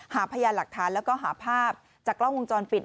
หาพยานหลักฐานแล้วก็หาภาพจากกล้องวงจรปิด